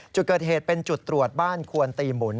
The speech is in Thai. จุดเกิดเหตุเป็นจุดตรวจบ้านควนตีหมุน